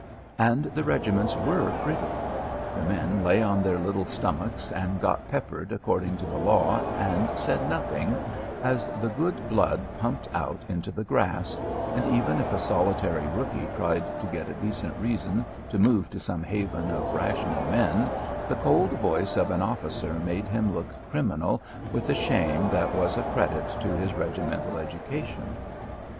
And the regiments were pretty. The men lay on their little stomachs and got peppered according to the law and said nothing, as the good blood pumped out into the grass, and even if a solitary rookie tried to get a decent reason to move to some haven of rational men, the cold voice of an officer made him look criminal with a shame that was a credit to his regimental education.